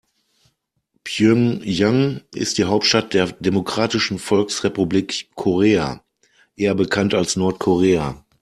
Pjöngjang ist die Hauptstadt der Demokratischen Volksrepublik Korea, eher bekannt als Nordkorea.